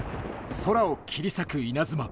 空を切り裂く稲妻。